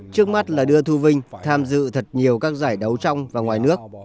trước mắt là đưa thu vinh tham dự thật nhiều các giải đấu trong và ngoài nước